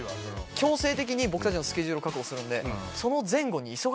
強制的に僕たちのスケジュールを確保するんでその。